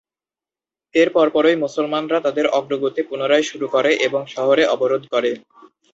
এর পরপরই মুসলমানরা তাদের অগ্রগতি পুনরায় শুরু করে এবং শহরে অবরোধ করে।